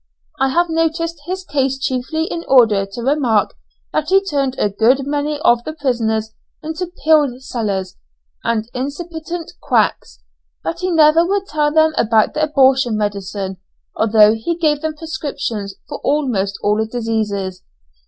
I have noticed his case chiefly in order to remark that he turned a good many of the prisoners into pill sellers and incipient quacks, but he never would tell them about the abortion medicine although he gave them prescriptions for almost all diseases.